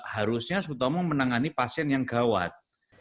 harusnya sutomo menangani pasien yang gawat